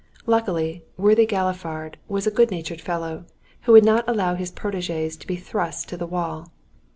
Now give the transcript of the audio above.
Luckily, worthy Galifard was a good natured fellow, who would not allow his protégés to be thrust to the wall.